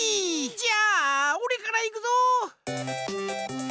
じゃあおれからいくぞ！